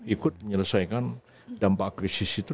ikut menyelesaikan dampak krisis itu